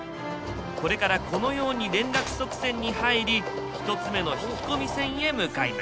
これからこのように連絡側線に入り１つ目の引き込み線へ向かいます。